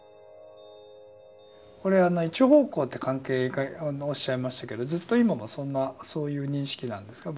これは一方向って関係とおっしゃいましたけどずっと今もそういう認識なんですか？